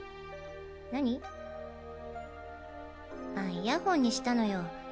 イヤホンにしたのよ。